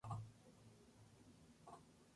El símbolo de la legión era un toro.